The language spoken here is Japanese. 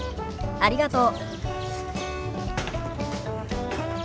ありがとう。